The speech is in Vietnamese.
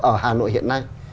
ở hà nội hiện nay